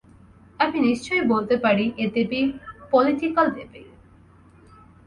আমি নিশ্চয় বলতে পারি, এ দেবী পোলিটিকাল দেবী।